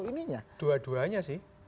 ini ya dua duanya sih